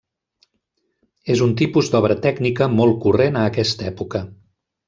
És un tipus d'obra tècnica molt corrent a aquesta època.